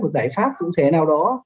một giải pháp cũng sẽ nào đó